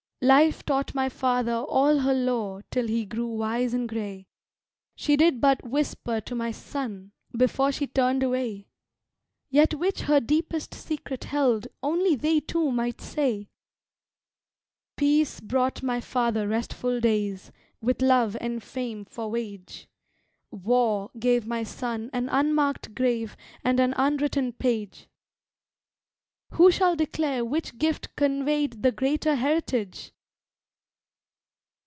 Life taught my father all her lore till he grew wise and gray, She did but whisper to my son before she turned away Yet which her deepest secret held only they two might say. Peace brought my father restful days, with love and fame for wage; War gave my son an unmarked grave and an unwritten page Who shall declare which gift conveyed the greater heritage?